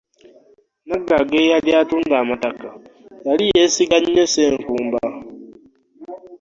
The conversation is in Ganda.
Nagagga eyali atunda amataka yali yeesiga nnyo ssenkumba.